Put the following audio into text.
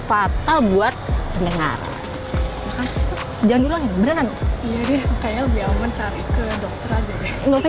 fatal buat pendengaran jangan dulu lagi beneran kayaknya biar mencari ke dokter aja ya nggak usah